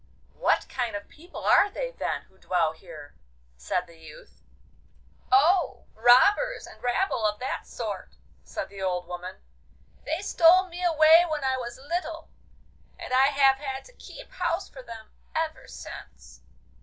'What kind of people are they then, who dwell here?' said the youth. 'Oh! robbers, and rabble of that sort,' said the old woman; 'they stole me away when I was little, and I have had to keep house for them ever since.